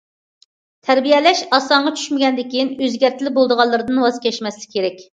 تەربىيەلەش ئاسانغا چۈشمىگەندىكىن، ئۆزگەرتكىلى بولىدىغانلىرىدىن ۋاز كەچمەسلىك لازىم.